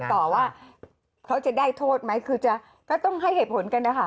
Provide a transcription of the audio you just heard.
ต่อว่าเขาจะได้โทษไหมคือจะก็ต้องให้เหตุผลกันนะคะ